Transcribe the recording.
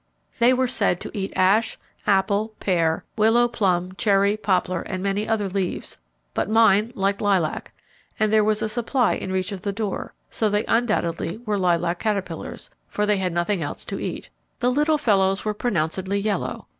They were said to eat ash, apple pear, willow, plum, cherry, poplar and many other leaves, but mine liked lilac, and there was a supply in reach of the door, so they undoubtedly were lilac caterpillars, for they had nothing else to eat. The little fellows were pronouncedly yellow.